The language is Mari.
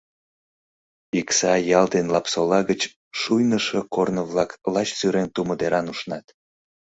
Икса ял ден Лапсола гыч шуйнышо корно-влак лач сӱрем тумо деран ушнат.